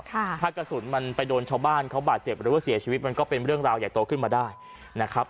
ถ้ากระสุนมันไปโดนชาวบ้านเขาบาดเจ็บหรือว่าเสียชีวิตมันก็เป็นเรื่องราวใหญ่โตขึ้นมาได้นะครับ